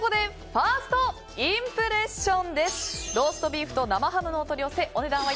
ファーストインプレッション。